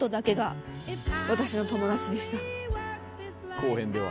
公園では。